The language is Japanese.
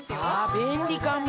便利かも。